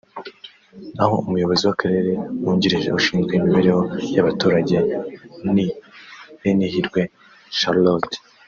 naho Umuyobozi w’Akarere wungirije ushinzwe Imibereho y’Abaturage ni Benihirwe Charlotte